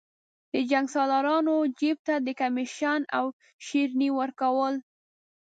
د جنګسالارانو جیب ته د کمېشن او شریني ورکول.